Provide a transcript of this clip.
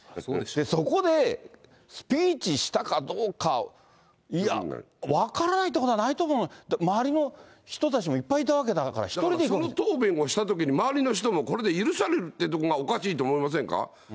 そこでスピーチしたかどうか、いや、分からないっていうことはないと思う、だって、周りの人たちもいっぱいいたわけだから、その答弁をしたときに周りの人も、これで許されるってとこがおかしいと思いませんか。